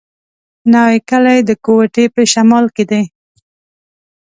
نوی کلی د کوټي په شمال کي دی.